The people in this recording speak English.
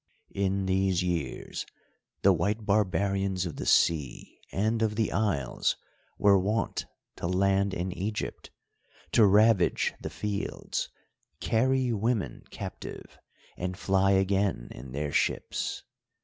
In these years the white barbarians of the sea and of the isles were wont to land in Egypt, to ravage the fields, carry women captive, and fly again in their ships.